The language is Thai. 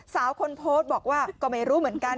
สาวคนโพสต์บอกว่าก็ไม่รู้เหมือนกัน